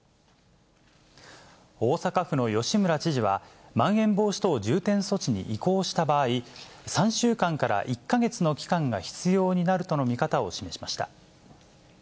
大阪府の吉村知事は、まん延防止等重点措置に移行した場合、３週間から１か月の期間が必要になるとの見方を示しました。